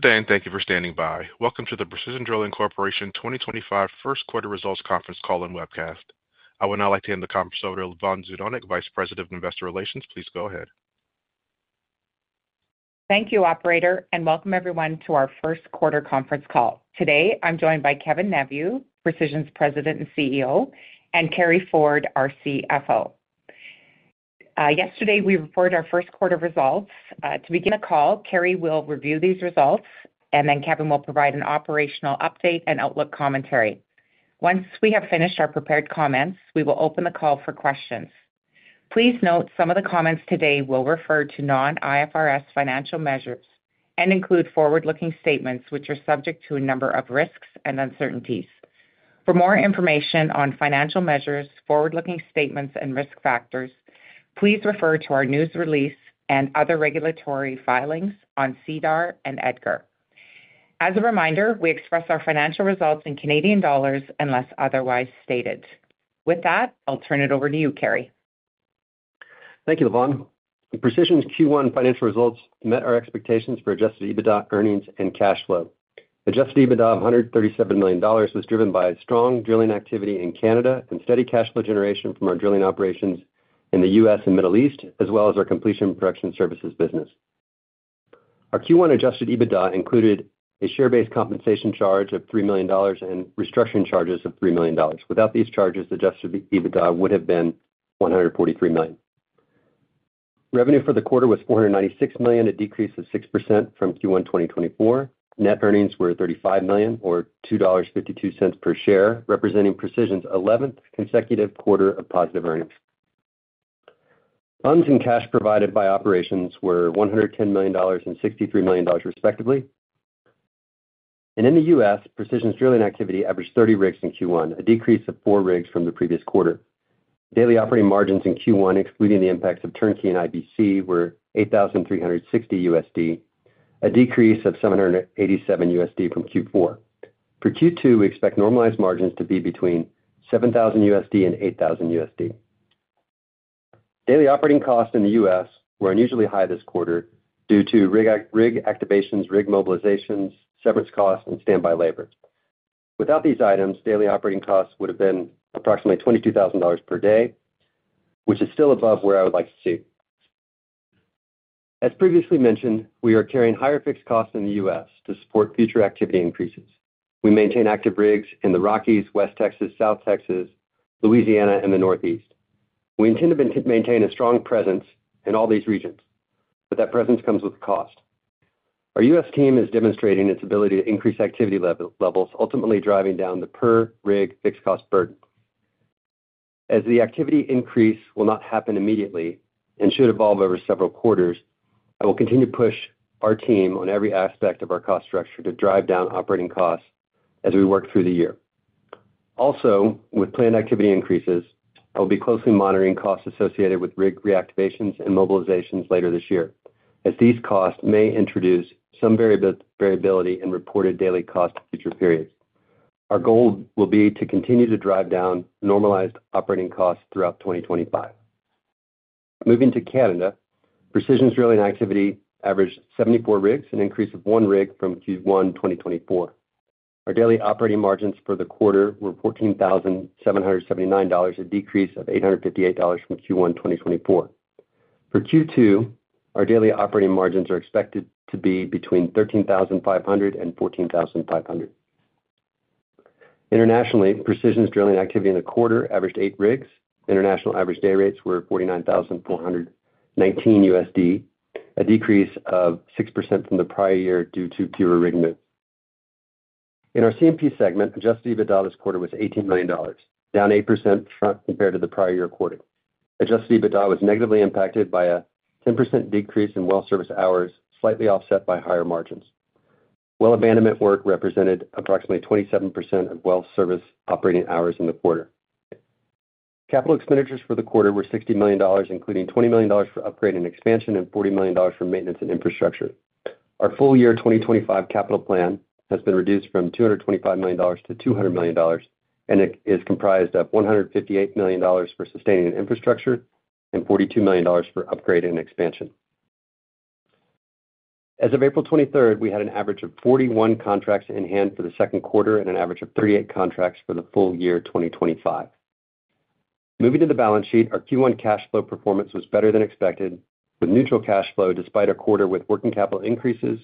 Good day, and thank you for standing by. Welcome to the Precision Drilling Corporation 2025 First Quarter Results conference call and webcast. I would now like to hand the conference over to Lavonne Zdunich, Vice President of Investor Relations. Please go ahead. Thank you, Operator, and welcome everyone to our First Quarter Conference call. Today, I'm joined by Kevin Neveu, Precision's President and CEO, and Carey Ford, our CFO. Yesterday, we reported our First Quarter results. To begin the call, Carey will review these results, and then Kevin will provide an operational update and outlook commentary. Once we have finished our prepared comments, we will open the call for questions. Please note some of the comments today will refer to non-IFRS financial measures and include forward-looking statements, which are subject to a number of risks and uncertainties. For more information on financial measures, forward-looking statements, and risk factors, please refer to our news release and other regulatory filings on SEDAR and EDGAR. As a reminder, we express our financial results in CAD unless otherwise stated. With that, I'll turn it over to you, Carey. Thank you, Lavonne. Precision's Q1 financial results met our expectations for adjusted EBITDA earnings and cash flow. Adjusted EBITDA of 137 million dollars was driven by strong drilling activity in Canada and steady cash flow generation from our drilling operations in the U.S. and Middle East, as well as our completion production services business. Our Q1 adjusted EBITDA included a share-based compensation charge of 3 million dollars and restructuring charges of 3 million dollars. Without these charges, the adjusted EBITDA would have been 143 million. Revenue for the quarter was 496 million, a decrease of 6% from Q1 2024. Net earnings were 35 million, or 2.52 dollars per share, representing Precision's 11th consecutive quarter of positive earnings. Funds and cash provided by operations were 110 million dollars and 63 million dollars, respectively. In the U.S., Precision's drilling activity averaged 30 rigs in Q1, a decrease of 4 rigs from the previous quarter. Daily operating margins in Q1, excluding the impacts of turnkey and IBC, were $8,360, a decrease of $787 from Q4. For Q2, we expect normalized margins to be between $7,000 and $8,000. Daily operating costs in the U.S. were unusually high this quarter due to rig activations, rig mobilizations, severance costs, and standby labor. Without these items, daily operating costs would have been approximately 22,000 dollars per day, which is still above where I would like to see. As previously mentioned, we are carrying higher fixed costs in the U.S. to support future activity increases. We maintain active rigs in the Rockies, West Texas, South Texas, Louisiana, and the Northeast. We intend to maintain a strong presence in all these regions, but that presence comes with a cost. Our U.S. team is demonstrating its ability to increase activity levels, ultimately driving down the per-rig fixed cost burden. As the activity increase will not happen immediately and should evolve over several quarters, I will continue to push our team on every aspect of our cost structure to drive down operating costs as we work through the year. Also, with planned activity increases, I will be closely monitoring costs associated with rig reactivations and mobilizations later this year, as these costs may introduce some variability in reported daily costs in future periods. Our goal will be to continue to drive down normalized operating costs throughout 2025. Moving to Canada, Precision's drilling activity averaged 74 rigs, an increase of 1 rig from Q1 2024. Our daily operating margins for the quarter were 14,779 dollars, a decrease of 858 dollars from Q1 2024. For Q2, our daily operating margins are expected to be between 13,500 and 14,500. Internationally, Precision's drilling activity in the quarter averaged 8 rigs. International average day rates were $49,419, a decrease of 6% from the prior year due to fewer rig moves. In our CMP segment, adjusted EBITDA this quarter was 18 million dollars, down 8% compared to the prior year quarter. Adjusted EBITDA was negatively impacted by a 10% decrease in well service hours, slightly offset by higher margins. Well abandonment work represented approximately 27% of well service operating hours in the quarter. Capital expenditures for the quarter were 60 million dollars, including 20 million dollars for upgrade and expansion and 40 million dollars for maintenance and infrastructure. Our full year 2025 capital plan has been reduced from 225 million dollars to 200 million dollars, and it is comprised of 158 million dollars for sustaining infrastructure and 42 million dollars for upgrade and expansion. As of April 23rd, we had an average of 41 contracts in hand for the second quarter and an average of 38 contracts for the full year 2025. Moving to the balance sheet, our Q1 cash flow performance was better than expected, with neutral cash flow despite a quarter with working capital increases,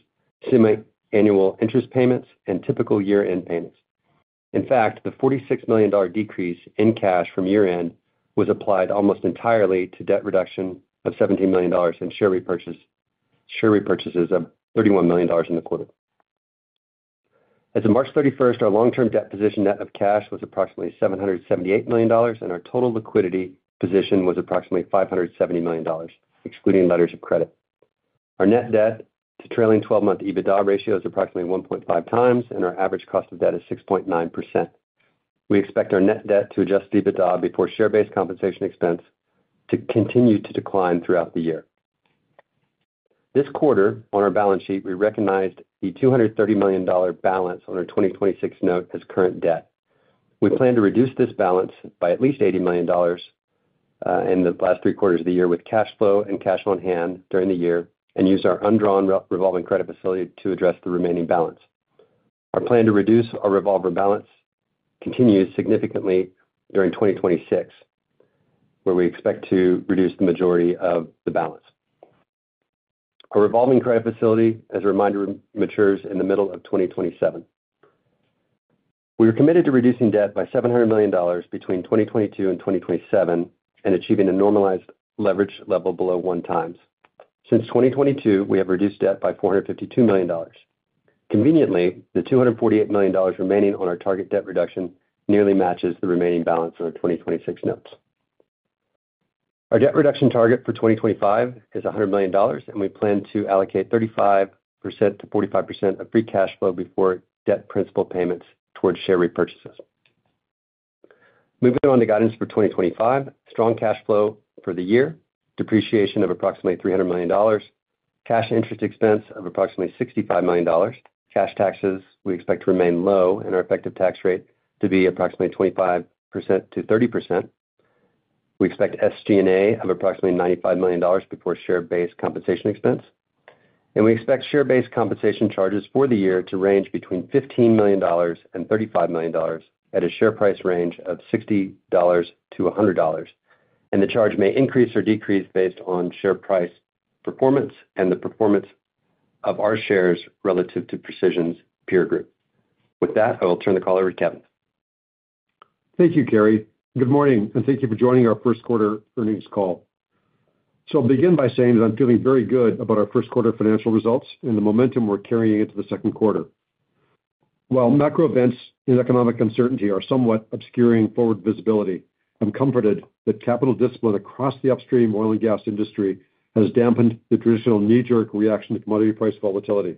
semi-annual interest payments, and typical year-end payments. In fact, the 46 million dollar decrease in cash from year-end was applied almost entirely to debt reduction of 17 million dollars and share repurchases of 31 million dollars in the quarter. As of March 31st, our long-term debt position net of cash was approximately 778 million dollars, and our total liquidity position was approximately 570 million dollars, excluding letters of credit. Our net debt to trailing 12-month EBITDA ratio is approximately 1.5x, and our average cost of debt is 6.9%. We expect our net debt to adjusted EBITDA before share-based compensation expense to continue to decline throughout the year. This quarter, on our balance sheet, we recognized the 230 million dollar balance on our 2026 note as current debt. We plan to reduce this balance by at least 80 million dollars in the last three quarters of the year with cash flow and cash on hand during the year and use our undrawn revolving credit facility to address the remaining balance. Our plan to reduce our revolving balance continues significantly during 2026, where we expect to reduce the majority of the balance. Our revolving credit facility, as a reminder, matures in the middle of 2027. We are committed to reducing debt by 700 million dollars between 2022 and 2027 and achieving a normalized leverage level below 1x. Since 2022, we have reduced debt by 452 million dollars. Conveniently, the 248 million dollars remaining on our target debt reduction nearly matches the remaining balance on our 2026 notes. Our debt reduction target for 2025 is 100 million dollars, and we plan to allocate 35%-45% of free cash flow before debt principal payments towards share repurchases. Moving on to guidance for 2025, strong cash flow for the year, depreciation of approximately 300 million dollars, cash interest expense of approximately 65 million dollars, cash taxes we expect to remain low, and our effective tax rate to be approximately 25%-30%. We expect SG&A of approximately 95 million dollars before share-based compensation expense. We expect share-based compensation charges for the year to range between 15 million dollars and 35 million dollars at a share price range of 60-100 dollars. The charge may increase or decrease based on share price performance and the performance of our shares relative to Precision's peer group. With that, I will turn the call over to Kevin. Thank you, Carey. Good morning, and thank you for joining our First Quarter Earnings Call. I will begin by saying that I'm feeling very good about our First Quarter financial results and the momentum we're carrying into the second quarter. While macro events and economic uncertainty are somewhat obscuring forward visibility, I'm comforted that capital discipline across the upstream oil and gas industry has dampened the traditional knee-jerk reaction to commodity price volatility.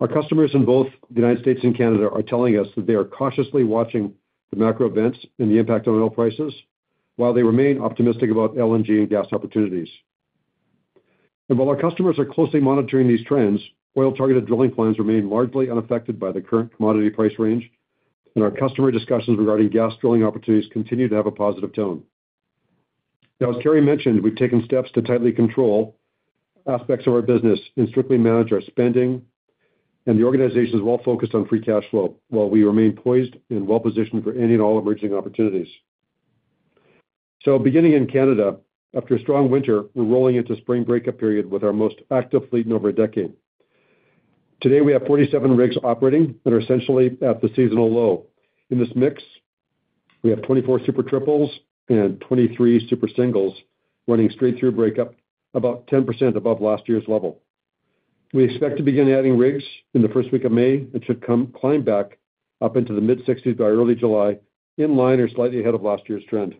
Our customers in both the United States and Canada are telling us that they are cautiously watching the macro events and the impact on oil prices, while they remain optimistic about LNG and gas opportunities. While our customers are closely monitoring these trends, oil-targeted drilling plans remain largely unaffected by the current commodity price range, and our customer discussions regarding gas drilling opportunities continue to have a positive tone. Now, as Carey mentioned, we've taken steps to tightly control aspects of our business and strictly manage our spending, and the organization is well focused on free cash flow, while we remain poised and well positioned for any and all emerging opportunities. Beginning in Canada, after a strong winter, we're rolling into spring breakup period with our most active fleet in over a decade. Today, we have 47 rigs operating that are essentially at the seasonal low. In this mix, we have 24 Super Triples and 23 Super Singles running straight through breakup, about 10% above last year's level. We expect to begin adding rigs in the first week of May and should climb back up into the mid-60s by early July, in line or slightly ahead of last year's trend.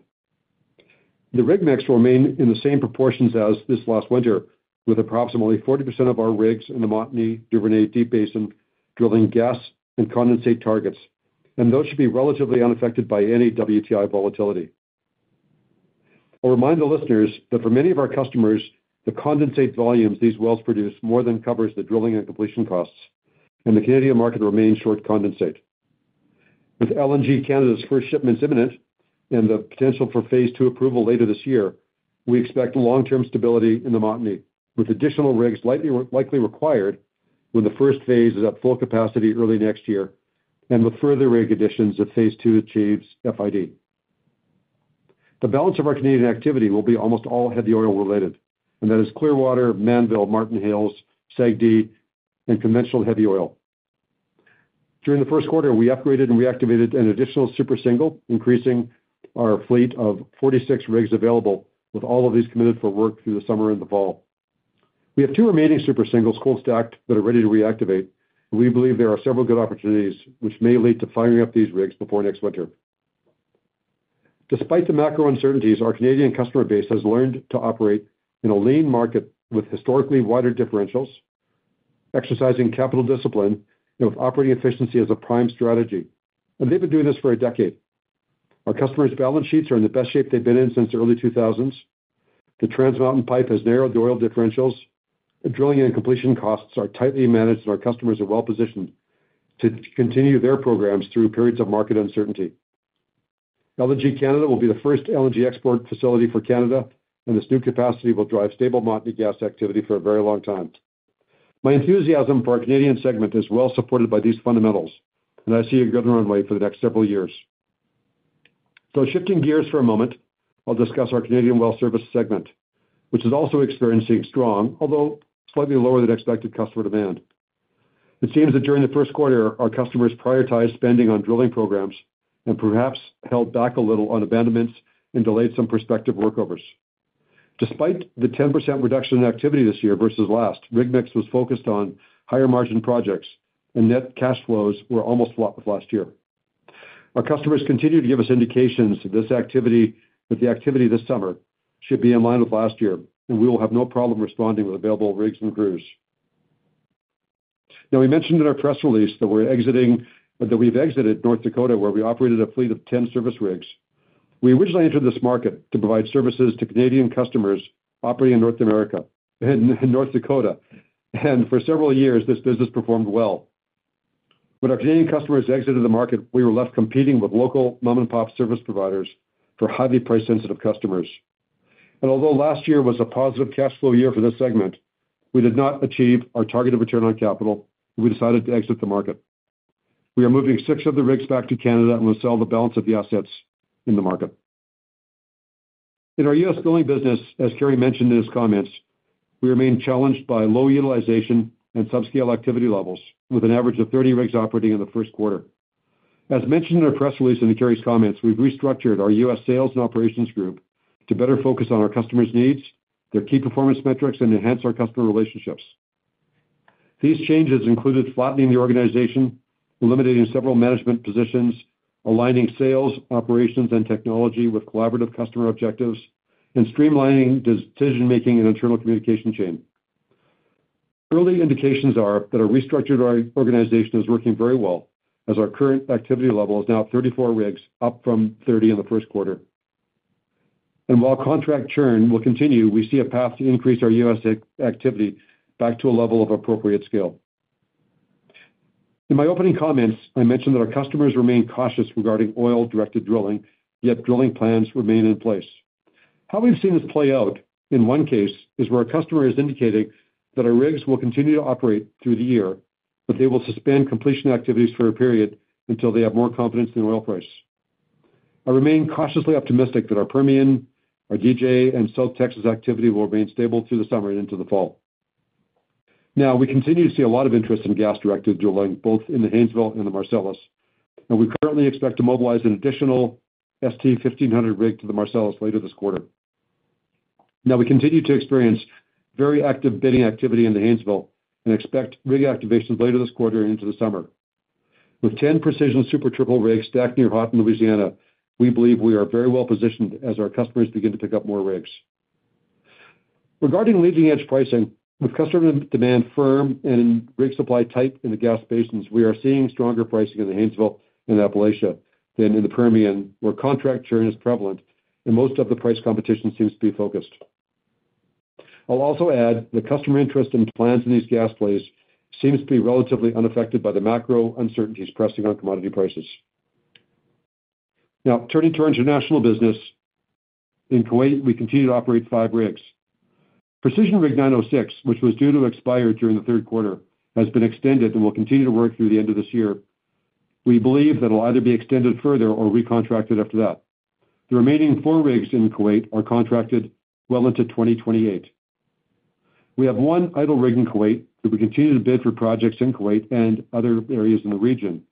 The rig mix will remain in the same proportions as this last winter, with approximately 40% of our rigs in the Montney-Duvernay Deep Basin drilling gas and condensate targets, and those should be relatively unaffected by any WTI volatility. I'll remind the listeners that for many of our customers, the condensate volumes these wells produce more than covers the drilling and completion costs, and the Canadian market remains short condensate. With LNG Canada's first shipments imminent and the potential for phase two approval later this year, we expect long-term stability in the Montney, with additional rigs likely required when the first phase is at full capacity early next year and with further rig additions if phase two achieves FID. The balance of our Canadian activity will be almost all heavy oil related, and that is Clearwater, Mannville, Martin Hills, SAGD, and conventional heavy oil. During the first quarter, we upgraded and reactivated an additional Super Single, increasing our fleet to 46 rigs available, with all of these committed for work through the summer and the fall. We have two remaining Super Singles cold stacked that are ready to reactivate, and we believe there are several good opportunities which may lead to firing up these rigs before next winter. Despite the macro uncertainties, our Canadian customer base has learned to operate in a lean market with historically wider differentials, exercising capital discipline and with operating efficiency as a prime strategy, and they've been doing this for a decade. Our customers' balance sheets are in the best shape they've been in since the early 2000s. The Trans Mountain Pipeline has narrowed the oil differentials. Drilling and completion costs are tightly managed, and our customers are well positioned to continue their programs through periods of market uncertainty. LNG Canada will be the first LNG export facility for Canada, and this new capacity will drive stable Montney gas activity for a very long time. My enthusiasm for our Canadian segment is well supported by these fundamentals, and I see a good runway for the next several years. Shifting gears for a moment, I'll discuss our Canadian well service segment, which is also experiencing strong, although slightly lower than expected, customer demand. It seems that during the first quarter, our customers prioritized spending on drilling programs and perhaps held back a little on abandonments and delayed some prospective workovers. Despite the 10% reduction in activity this year versus last, rig mix was focused on higher margin projects, and net cash flows were almost flat with last year. Our customers continue to give us indications that this activity should be in line with last year, and we will have no problem responding with available rigs and crews. We mentioned in our press release that we've exited North Dakota, where we operated a fleet of 10 service rigs. We originally entered this market to provide services to Canadian customers operating in North Dakota, and for several years, this business performed well. When our Canadian customers exited the market, we were left competing with local mom-and-pop service providers for highly price-sensitive customers. Although last year was a positive cash flow year for this segment, we did not achieve our targeted return on capital, and we decided to exit the market. We are moving six of the rigs back to Canada and will sell the balance of the assets in the market. In our U.S. drilling business, as Carey mentioned in his comments, we remain challenged by low utilization and subscale activity levels, with an average of 30 rigs operating in the first quarter. As mentioned in our press release and in Carey's comments, we've restructured our U.S. sales and operations group to better focus on our customers' needs, their key performance metrics, and enhance our customer relationships. These changes included flattening the organization, eliminating several management positions, aligning sales, operations, and technology with collaborative customer objectives, and streamlining decision-making and internal communication chain. Early indications are that a restructured organization is working very well, as our current activity level is now at 34 rigs, up from 30 in the first quarter. While contract churn will continue, we see a path to increase our U.S. activity back to a level of appropriate scale. In my opening comments, I mentioned that our customers remain cautious regarding oil-directed drilling, yet drilling plans remain in place. How we've seen this play out in one case is where a customer is indicating that our rigs will continue to operate through the year, but they will suspend completion activities for a period until they have more confidence in oil price. I remain cautiously optimistic that our Permian, our DJ, and South Texas activity will remain stable through the summer and into the fall. Now, we continue to see a lot of interest in gas-directed drilling, both in the Haynesville and the Marcellus, and we currently expect to mobilize an additional ST 1500 rig to the Marcellus later this quarter. Now, we continue to experience very active bidding activity in the Haynesville and expect rig activations later this quarter and into the summer. With 10 Precision Super Triple rigs stacked near Hutton, Louisiana, we believe we are very well positioned as our customers begin to pick up more rigs. Regarding leading-edge pricing, with customer demand firm and rig supply tight in the gas basins, we are seeing stronger pricing in the Haynesville and Appalachia than in the Permian, where contract churn is prevalent and most of the price competition seems to be focused. I'll also add that customer interest in plans in these gas plays seems to be relatively unaffected by the macro uncertainties pressing on commodity prices. Now, turning to our international business, in Kuwait, we continue to operate five rigs. Precision Rig 906, which was due to expire during the third quarter, has been extended and will continue to work through the end of this year. We believe that it'll either be extended further or recontracted after that. The remaining four rigs in Kuwait are contracted well into 2028. We have one idle rig in Kuwait that we continue to bid for projects in Kuwait and other areas in the region.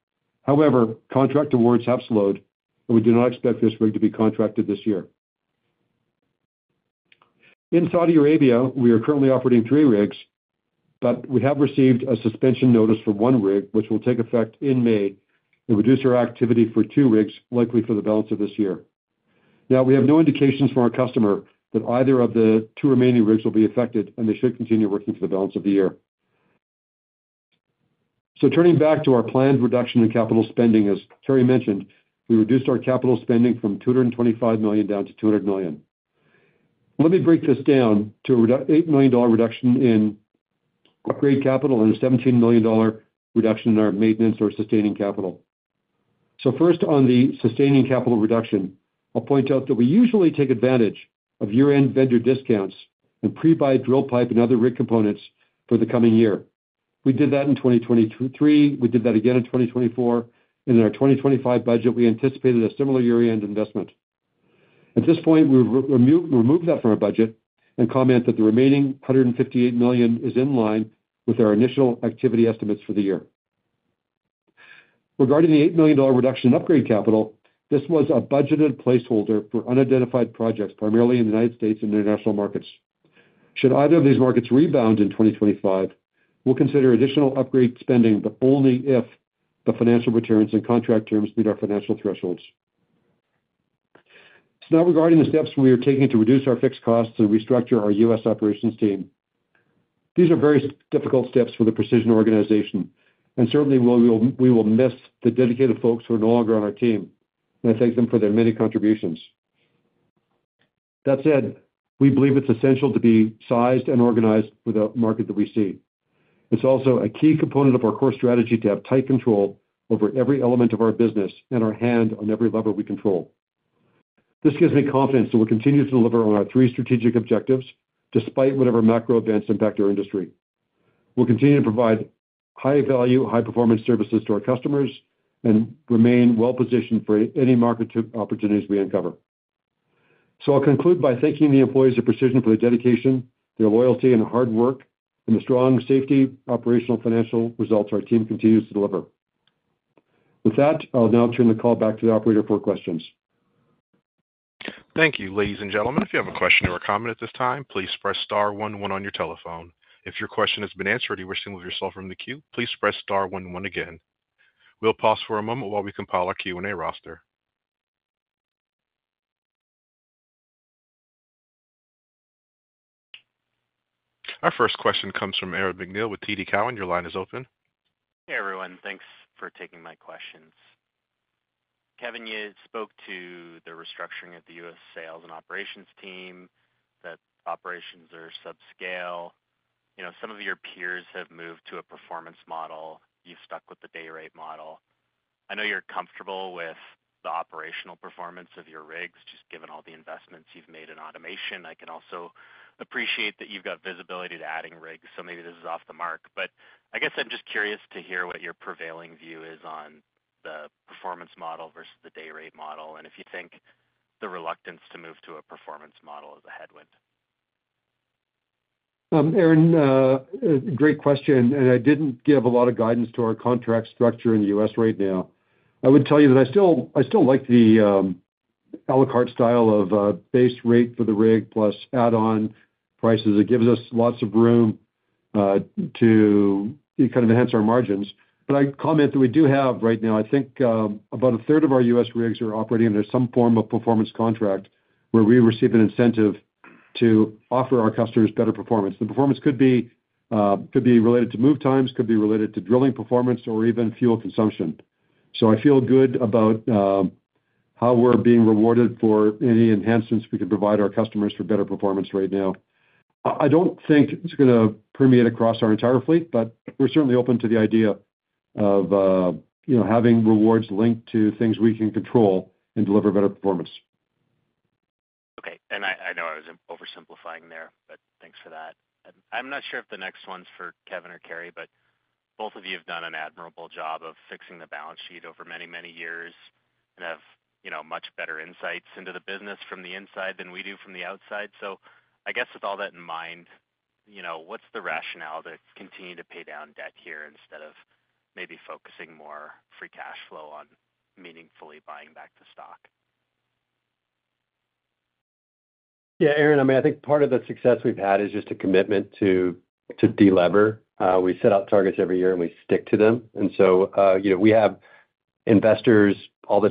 However, contract awards have slowed, and we do not expect this rig to be contracted this year. In Saudi Arabia, we are currently operating three rigs, but we have received a suspension notice for one rig, which will take effect in May and reduce our activity for two rigs, likely for the balance of this year. We have no indications from our customer that either of the two remaining rigs will be affected, and they should continue working for the balance of the year. Turning back to our planned reduction in capital spending, as Carey mentioned, we reduced our capital spending from 225 million down to 200 million. Let me break this down to an 8 million dollar reduction in upgrade capital and a 17 million dollar reduction in our maintenance or sustaining capital. First, on the sustaining capital reduction, I'll point out that we usually take advantage of year-end vendor discounts and pre-buy drill pipe and other rig components for the coming year. We did that in 2023. We did that again in 2024. In our 2025 budget, we anticipated a similar year-end investment. At this point, we've removed that from our budget and comment that the remaining 158 million is in line with our initial activity estimates for the year. Regarding the 8 million dollar reduction in upgrade capital, this was a budgeted placeholder for unidentified projects, primarily in the United States and international markets. Should either of these markets rebound in 2025, we will consider additional upgrade spending, but only if the financial returns and contract terms meet our financial thresholds. Now, regarding the steps we are taking to reduce our fixed costs and restructure our U.S. operations team, these are very difficult steps for the Precision organization, and certainly, we will miss the dedicated folks who are no longer on our team, and I thank them for their many contributions. That said, we believe it is essential to be sized and organized for the market that we see. It is also a key component of our core strategy to have tight control over every element of our business and our hand on every lever we control. This gives me confidence that we will continue to deliver on our three strategic objectives despite whatever macro events impact our industry. We'll continue to provide high-value, high-performance services to our customers and remain well positioned for any market opportunities we uncover. I will conclude by thanking the employees of Precision for their dedication, their loyalty, and hard work, and the strong safety, operational, and financial results our team continues to deliver. With that, I will now turn the call back to the operator for questions. Thank you, ladies and gentlemen. If you have a question or a comment at this time, please press star one one on your telephone. If your question has been answered or you wish to move yourself from the queue, please press star one one again. We'll pause for a moment while we compile our Q&A roster. Our first question comes from Eric Denlinger with TD Cowen. Your line is open. Hey, everyone. Thanks for taking my questions. Kevin, you spoke to the restructuring of the U.S. sales and operations team, that operations are subscale. Some of your peers have moved to a performance model. You've stuck with the day rate model. I know you're comfortable with the operational performance of your rigs, just given all the investments you've made in automation. I can also appreciate that you've got visibility to adding rigs, so maybe this is off the mark. I guess I'm just curious to hear what your prevailing view is on the performance model versus the day rate model, and if you think the reluctance to move to a performance model is a headwind. Eric, great question, and I didn't give a lot of guidance to our contract structure in the U.S. right now. I would tell you that I still like the à la carte style of base rate for the rig plus add-on prices. It gives us lots of room to kind of enhance our margins. I comment that we do have right now, I think about a third of our U.S. rigs are operating under some form of performance contract where we receive an incentive to offer our customers better performance. The performance could be related to move times, could be related to drilling performance, or even fuel consumption. I feel good about how we're being rewarded for any enhancements we can provide our customers for better performance right now. I do not think it's going to permeate across our entire fleet, but we're certainly open to the idea of having rewards linked to things we can control and deliver better performance. Okay. I know I was oversimplifying there, but thanks for that. I'm not sure if the next one's for Kevin or Carey, but both of you have done an admirable job of fixing the balance sheet over many, many years and have much better insights into the business from the inside than we do from the outside. I guess with all that in mind, what's the rationale to continue to pay down debt here instead of maybe focusing more free cash flow on meaningfully buying back the stock? Yeah, Eric, I mean, I think part of the success we've had is just a commitment to deliver. We set out targets every year, and we stick to them. We have investors all the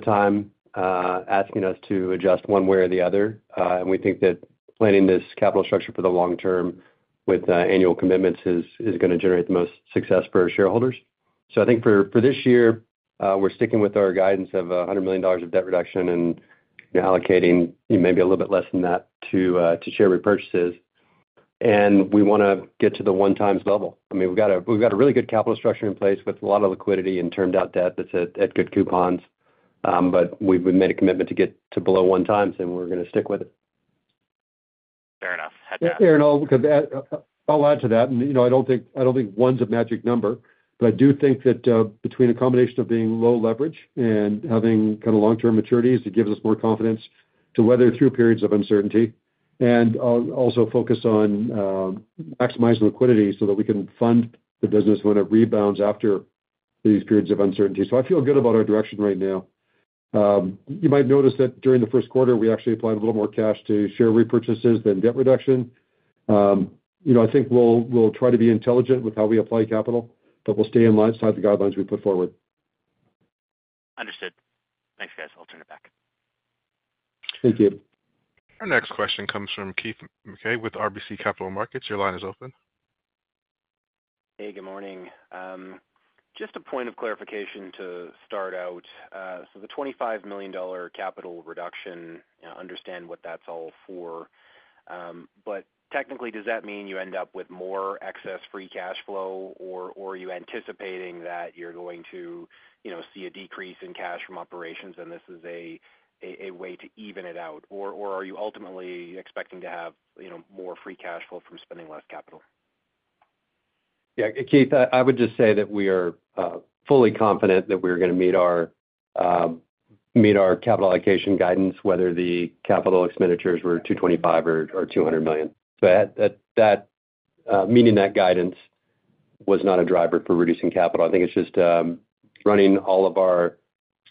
time asking us to adjust one way or the other, and we think that planning this capital structure for the long term with annual commitments is going to generate the most success for our shareholders. I think for this year, we're sticking with our guidance of 100 million dollars of debt reduction and allocating maybe a little bit less than that to share repurchases. We want to get to the one-times level. I mean, we've got a really good capital structure in place with a lot of liquidity and turned-out debt that's at good coupons, but we've made a commitment to get to below one-times, and we're going to stick with it. Fair enough. Erin, I'll add to that. I don't think one's a magic number, but I do think that between a combination of being low leverage and having kind of long-term maturities, it gives us more confidence to weather through periods of uncertainty and also focus on maximizing liquidity so that we can fund the business when it rebounds after these periods of uncertainty. I feel good about our direction right now. You might notice that during the first quarter, we actually applied a little more cash to share repurchases than debt reduction. I think we'll try to be intelligent with how we apply capital, but we'll stay in line to the guidelines we put forward. Understood. Thanks, guys. I'll turn it back. Thank you. Our next question comes from Keith Mackey with RBC Capital Markets. Your line is open. Hey, good morning. Just a point of clarification to start out. The 25 million dollar capital reduction, understand what that's all for. Technically, does that mean you end up with more excess free cash flow, or are you anticipating that you're going to see a decrease in cash from operations and this is a way to even it out? Or are you ultimately expecting to have more free cash flow from spending less capital? Yeah, Keith, I would just say that we are fully confident that we're going to meet our capital allocation guidance, whether the capital expenditures were 225 million or 200 million. Meeting that guidance was not a driver for reducing capital. I think it's just running all of our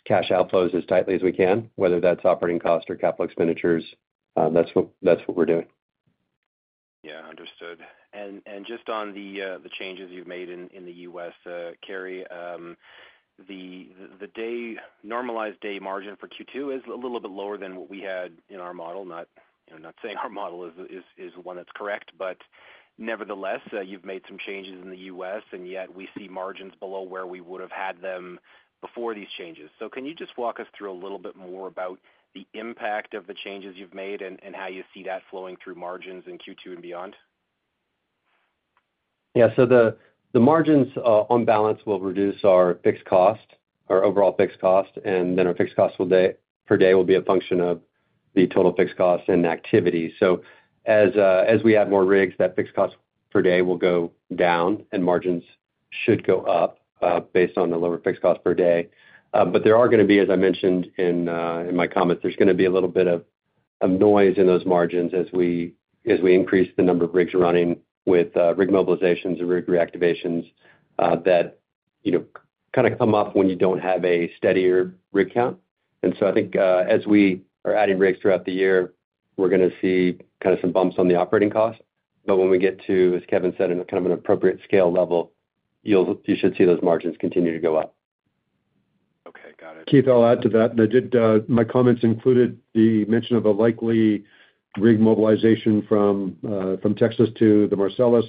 cash outflows as tightly as we can, whether that's operating costs or capital expenditures. That's what we're doing. Yeah, understood. Just on the changes you've made in the U.S., Carey, the normalized day margin for Q2 is a little bit lower than what we had in our model. Not saying our model is the one that's correct, but nevertheless, you've made some changes in the U.S., and yet we see margins below where we would have had them before these changes. Can you just walk us through a little bit more about the impact of the changes you've made and how you see that flowing through margins in Q2 and beyond? Yeah. The margins on balance will reduce our fixed cost, our overall fixed cost, and then our fixed cost per day will be a function of the total fixed cost and activity. As we add more rigs, that fixed cost per day will go down, and margins should go up based on the lower fixed cost per day. There are going to be, as I mentioned in my comments, a little bit of noise in those margins as we increase the number of rigs running with rig mobilizations and rig reactivations that kind of come up when you do not have a steadier rig count. I think as we are adding rigs throughout the year, we are going to see kind of some bumps on the operating cost. When we get to, as Kevin said, kind of an appropriate scale level, you should see those margins continue to go up. Okay. Got it. Keith, I will add to that. My comments included the mention of a likely rig mobilization from Texas to the Marcellus.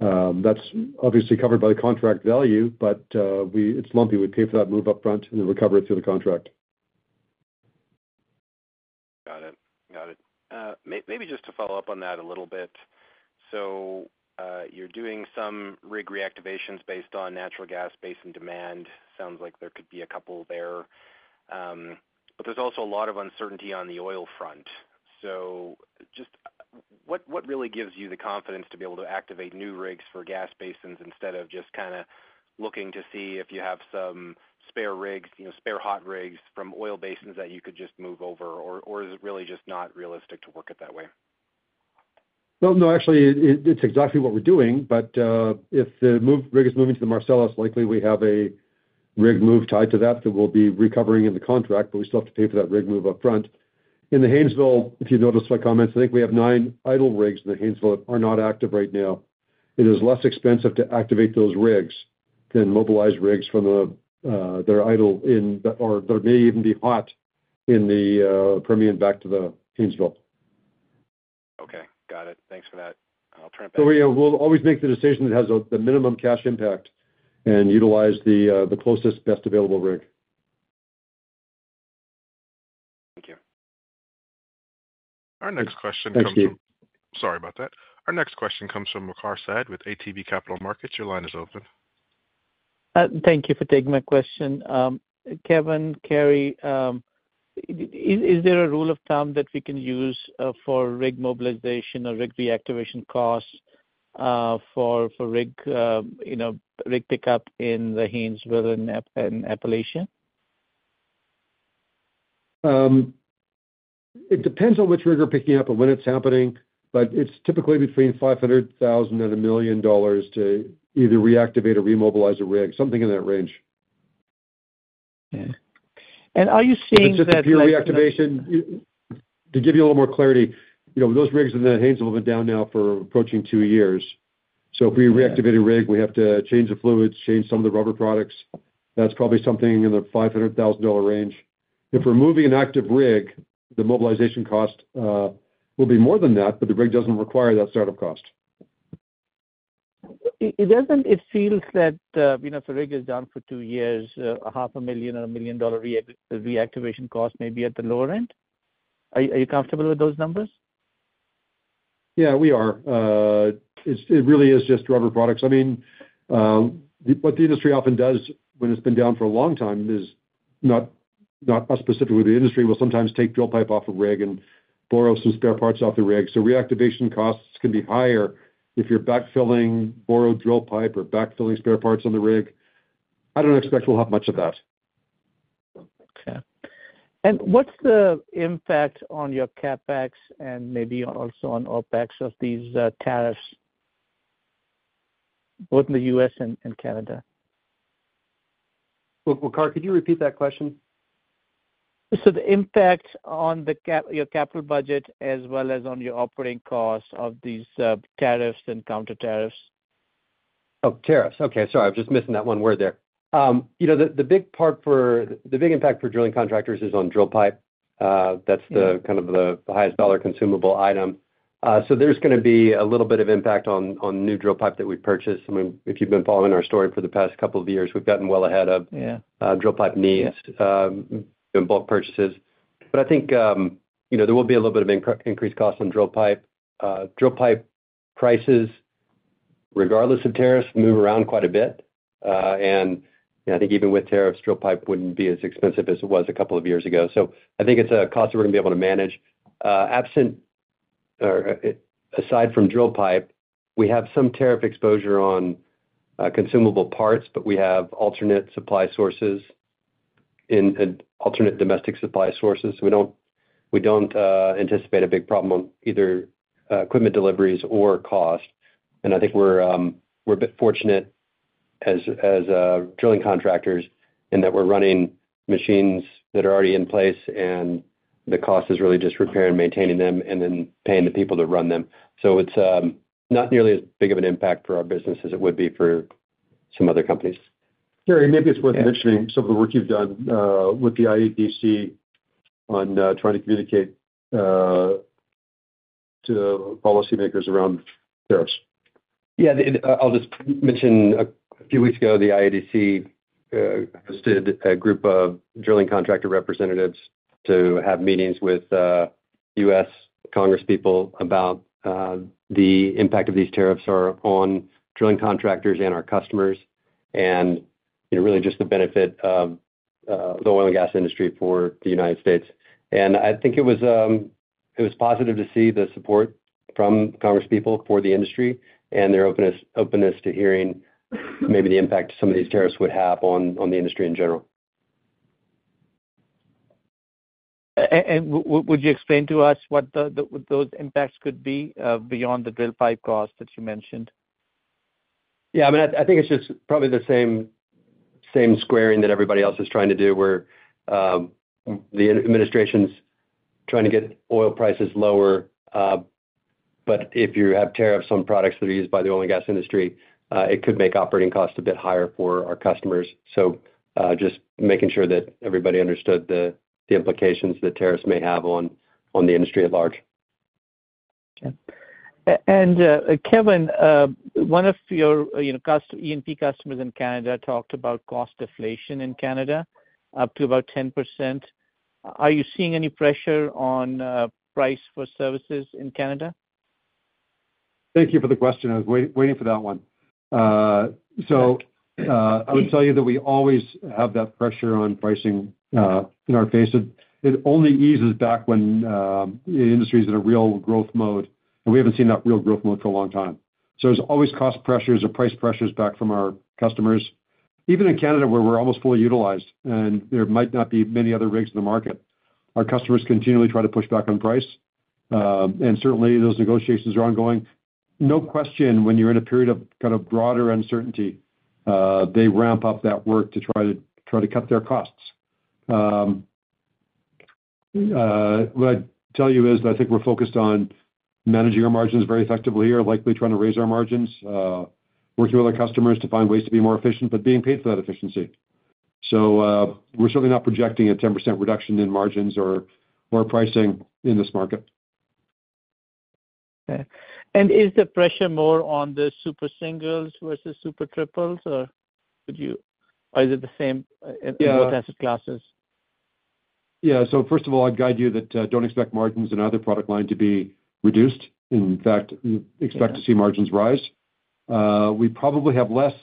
That's obviously covered by the contract value, but it's lumpy. We pay for that move upfront and then recover it through the contract. Got it. Got it. Maybe just to follow up on that a little bit. You're doing some rig reactivations based on natural gas basin demand. Sounds like there could be a couple there. There's also a lot of uncertainty on the oil front. What really gives you the confidence to be able to activate new rigs for gas basins instead of just kind of looking to see if you have some spare rigs, spare hot rigs from oil basins that you could just move over, or is it really just not realistic to work it that way? No, actually, it's exactly what we're doing. If the rig is moving to the Marcellus, likely we have a rig move tied to that that we'll be recovering in the contract, but we still have to pay for that rig move upfront. In the Haynesville, if you notice my comments, I think we have nine idle rigs in the Haynesville that are not active right now. It is less expensive to activate those rigs than mobilize rigs that are idle or that may even be hot in the Permian back to the Haynesville. Got it. Thanks for that. I'll turn it back. We'll always make the decision that has the minimum cash impact and utilize the closest best available rig. Our next question comes from. Sorry about that. Our next question comes from Waqar Syed with ATB Capital Markets. Your line is open. Thank you for taking my question. Kevin, Carey, is there a rule of thumb that we can use for rig mobilization or rig reactivation costs for rig pickup in the Haynesville and Appalachia? It depends on which rig we're picking up and when it's happening, but it's typically between 500,000 and 1 million dollars to either reactivate or remobilize a rig, something in that range. Are you seeing that? This is a peer reactivation. To give you a little more clarity, those rigs in the Haynesville have been down now for approaching two years. If we reactivate a rig, we have to change the fluids, change some of the rubber products. That's probably something in the 500,000 dollar range. If we're moving an active rig, the mobilization cost will be more than that, but the rig doesn't require that startup cost. It doesn't. It feels that if a rig is down for two years, a 500,000 or 1 million dollar reactivation cost may be at the lower end. Are you comfortable with those numbers? Yeah, we are. It really is just rubber products. I mean, what the industry often does when it's been down for a long time is not us specifically, the industry will sometimes take drill pipe off a rig and borrow some spare parts off the rig. So, reactivation costs can be higher if you're backfilling borrowed drill pipe or backfilling spare parts on the rig. I don't expect we'll have much of that. Okay. What's the impact on your CapEx and maybe also on OpEx of these tariffs, both in the U.S. and Canada? Waqar, could you repeat that question? The impact on your capital budget as well as on your operating cost of these tariffs and counter tariffs? Oh, tariffs. Okay. Sorry, I was just missing that one word there. The big impact for drilling contractors is on drill pipe. That's kind of the highest dollar consumable item. There is going to be a little bit of impact on new drill pipe that we purchase. I mean, if you've been following our story for the past couple of years, we've gotten well ahead of drill pipe needs in bulk purchases. I think there will be a little bit of increased cost on drill pipe. Drill pipe prices, regardless of tariffs, move around quite a bit. I think even with tariffs, drill pipe would not be as expensive as it was a couple of years ago. I think it's a cost we're going to be able to manage. Aside from drill pipe, we have some tariff exposure on consumable parts, but we have alternate supply sources and alternate domestic supply sources. We don't anticipate a big problem on either equipment deliveries or cost. I think we're a bit fortunate as drilling contractors in that we're running machines that are already in place, and the cost is really just repair and maintaining them and then paying the people to run them. It's not nearly as big of an impact for our business as it would be for some other companies. Carey, maybe it's worth mentioning some of the work you've done with the IADC on trying to communicate to policymakers around tariffs. Yeah. I'll just mention a few weeks ago, the IADC hosted a group of drilling contractor representatives to have meetings with U.S. Congress people about the impact of these tariffs on drilling contractors and our customers and really just the benefit of the oil and gas industry for the United States. I think it was positive to see the support from Congress people for the industry and their openness to hearing maybe the impact some of these tariffs would have on the industry in general. Would you explain to us what those impacts could be beyond the drill pipe cost that you mentioned? Yeah. I mean, I think it's just probably the same squaring that everybody else is trying to do where the administration's trying to get oil prices lower. If you have tariffs on products that are used by the oil and gas industry, it could make operating costs a bit higher for our customers. Just making sure that everybody understood the implications that tariffs may have on the industry at large. Okay. Kevin, one of your E&P customers in Canada talked about cost deflation in Canada up to about 10%. Are you seeing any pressure on price for services in Canada? Thank you for the question. I was waiting for that one. I would tell you that we always have that pressure on pricing in our face. It only eases back when the industry is in a real growth mode. We have not seen that real growth mode for a long time. There are always cost pressures or price pressures back from our customers. Even in Canada, where we're almost fully utilized and there might not be many other rigs in the market, our customers continually try to push back on price. Certainly, those negotiations are ongoing. No question when you're in a period of kind of broader uncertainty, they ramp up that work to try to cut their costs. What I'd tell you is that I think we're focused on managing our margins very effectively or likely trying to raise our margins, working with our customers to find ways to be more efficient, but being paid for that efficiency. We're certainly not projecting a 10% reduction in margins or pricing in this market. Okay. Is the pressure more on the Super Single rigs versus Super Triple rigs, or are they the same in both asset classes? Yeah. First of all, I'd guide you that don't expect margins in either product line to be reduced. In fact, expect to see margins rise. We probably have less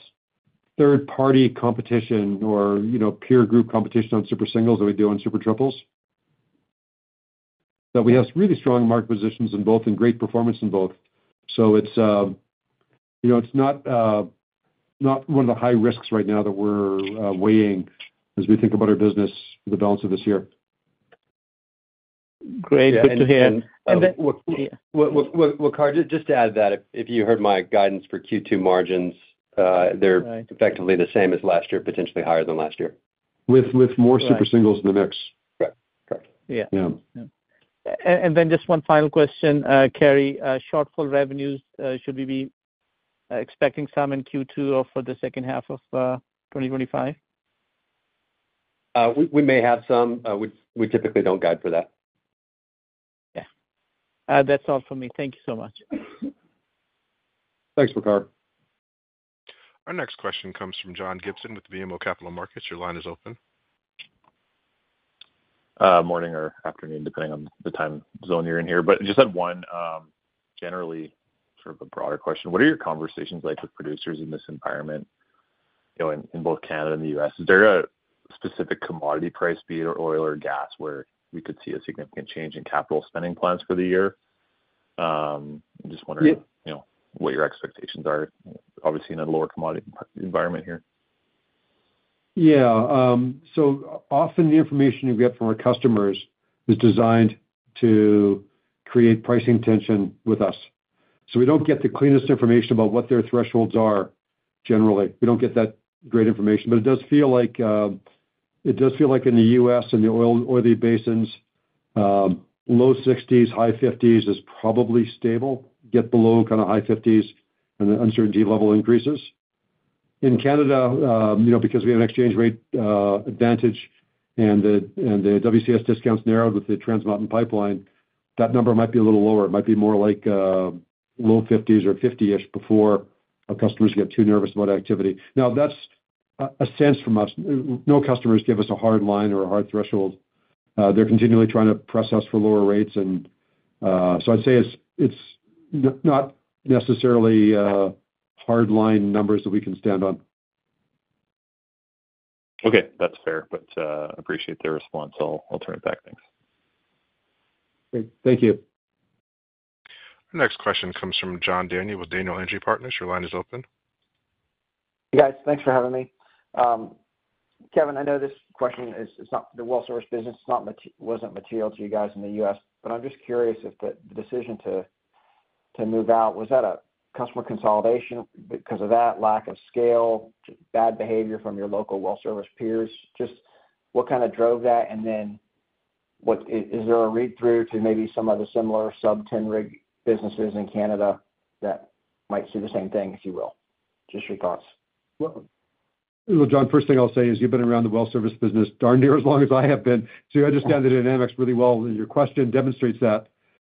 third-party competition or peer group competition on Super Single rigs than we do on Super Triple rigs. But we have really strong market positions in both and great performance in both. It's not one of the high risks right now that we're weighing as we think about our business for the balance of this year. Great. Good to hear. Waqar, just to add to that, if you heard my guidance for Q2 margins, they're effectively the same as last year, potentially higher than last year. With more Super Single rigs in the mix. Correct. Yeah. Just one final question, Carey. Shortfall revenues, should we be expecting some in Q2 or for the second half of 2025? We may have some. We typically do not guide for that. Yeah. That is all for me. Thank you so much. Thanks, Waqar. Our next question comes from John Gibson with BMO Capital Markets. Your line is open. Morning or afternoon, depending on the time zone you are in here. Just had one generally, sort of a broader question. What are your conversations like with producers in this environment in both Canada and the U.S.? Is there a specific commodity price beat or oil or gas where we could see a significant change in capital spending plans for the year? I am just wondering what your expectations are, obviously in a lower commodity environment here. Yeah. Often the information we get from our customers is designed to create pricing tension with us. We do not get the cleanest information about what their thresholds are generally. We do not get that great information. It does feel like in the U.S. and the oil or the basins, low 60s, high 50s is probably stable. Get below kind of high 50s and the uncertainty level increases. In Canada, because we have an exchange rate advantage and the WCS discounts narrowed with the Trans Mountain Pipeline, that number might be a little lower. It might be more like low 50s or 50-ish before our customers get too nervous about activity. Now, that's a sense from us. No customers give us a hard line or a hard threshold. They're continually trying to press us for lower rates. I'd say it's not necessarily hard-line numbers that we can stand on. Okay. That's fair. I appreciate the response. I'll turn it back. Thanks. Great. Thank you. Our next question comes from John Daniel with Daniel Energy Partners. Your line is open. Hey, guys. Thanks for having me. Kevin, I know this question is not the well-service business. It was not material to you guys in the U.S.. I am just curious if the decision to move out, was that a customer consolidation because of that lack of scale, bad behavior from your local well-service peers? Just what kind of drove that? Is there a read-through to maybe some of the similar sub-10 rig businesses in Canada that might see the same thing, if you will? Just your thoughts. John, first thing I will say is you have been around the well-service business darn near as long as I have been. You understand the dynamics really well. Your question demonstrates that.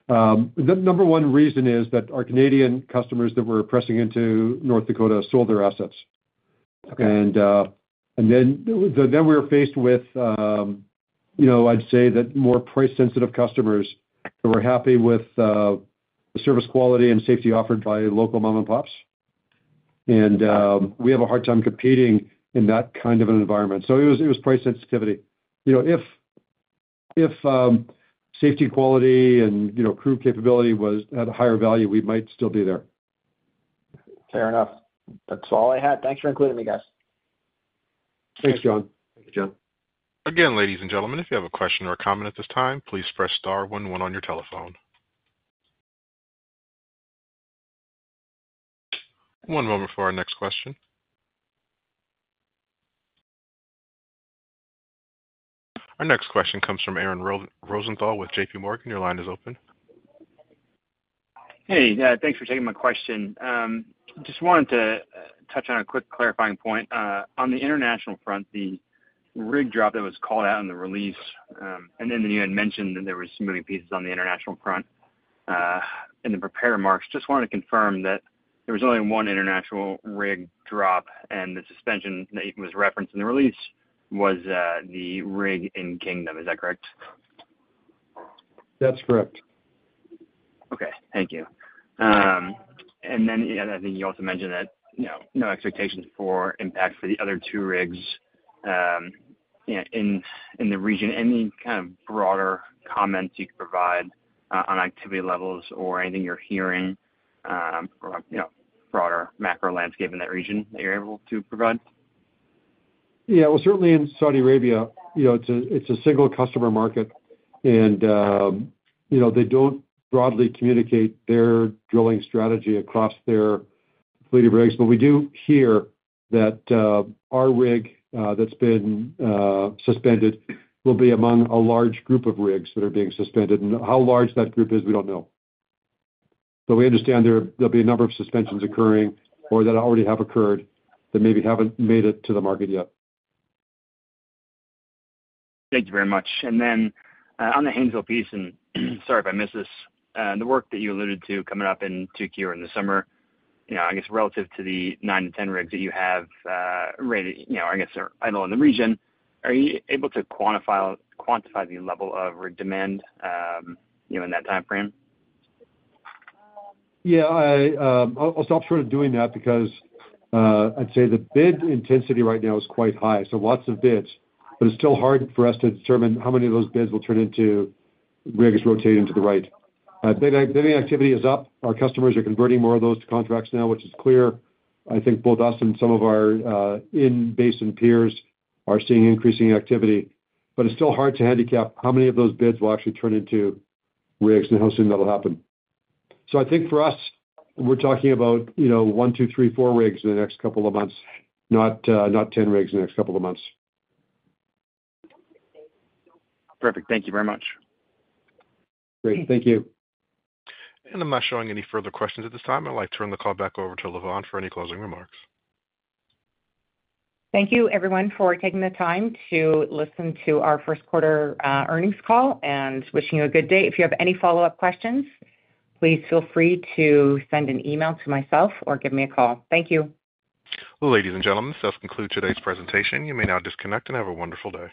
The number one reason is that our Canadian customers that were pressing into North Dakota sold their assets. We were faced with, I'd say, that more price-sensitive customers that were happy with the service quality and safety offered by local mom-and-pops. We have a hard time competing in that kind of an environment. It was price sensitivity. If safety quality and crew capability had a higher value, we might still be there. Fair enough. That's all I had. Thanks for including me, guys. Thanks, John. Again, ladies and gentlemen, if you have a question or a comment at this time, please press star 11 on your telephone. One moment for our next question. Our next question comes from Aaron Rosenthal with JP Morgan. Your line is open. Hey. Thanks for taking my question. Just wanted to touch on a quick clarifying point. On the international front, the rig drop that was called out in the release, and then you had mentioned that there were moving pieces on the international front in the prepared remarks. Just wanted to confirm that there was only one international rig drop, and the suspension that was referenced in the release was the rig in kingdom. Is that correct? That's correct. Okay. Thank you. I think you also mentioned that no expectations for impact for the other two rigs in the region. Any kind of broader comments you could provide on activity levels or anything you're hearing from a broader macro landscape in that region that you're able to provide? Yeah. Certainly, in Saudi Arabia, it's a single customer market. They don't broadly communicate their drilling strategy across their fleet of rigs. We do hear that our rig that's been suspended will be among a large group of rigs that are being suspended. How large that group is, we don't know. We understand there will be a number of suspensions occurring or that already have occurred that maybe have not made it to the market yet. Thank you very much. On the Hanzel piece, and sorry if I missed this, the work that you alluded to coming up in Turkey or in the summer, I guess relative to the nine to ten rigs that you have ready, I guess, I do not know, in the region, are you able to quantify the level of demand in that time frame? I'll stop short of doing that because I'd say the bid intensity right now is quite high. Lots of bids. It is still hard for us to determine how many of those bids will turn into rigs rotating to the right. Bidding activity is up. Our customers are converting more of those to contracts now, which is clear. I think both us and some of our in-basin peers are seeing increasing activity. It is still hard to handicap how many of those bids will actually turn into rigs and how soon that will happen. I think for us, we are talking about one, two, three, four rigs in the next couple of months, not 10 rigs in the next couple of months. Perfect. Thank you very much. Great. Thank you. I am not showing any further questions at this time. I would like to turn the call back over to Lavonne for any closing remarks. Thank you, everyone, for taking the time to listen to our first quarter earnings call and wishing you a good day. If you have any follow-up questions, please feel free to send an email to myself or give me a call. Thank you. Ladies and gentlemen, this does conclude today's presentation. You may now disconnect and have a wonderful day.